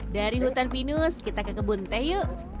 dari hutan pinus kita ke kebun teh yuk